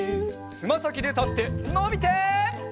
つまさきでたってのびて！